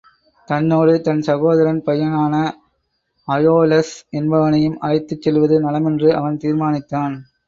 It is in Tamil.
தன்னோடு தன் சகோதரன் பையனான அயோலஸ் என்பவனையும் அழைத்துச் செல்லுவது நலமென்று அவன் தீர்மானித்தான்.